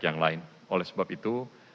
yang lain oleh sebab itu